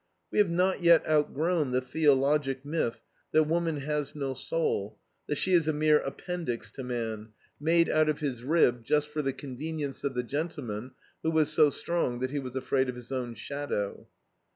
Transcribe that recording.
We have not yet outgrown the theologic myth that woman has no soul, that she is a mere appendix to man, made out of his rib just for the convenience of the gentleman who was so strong that he was afraid of his own shadow.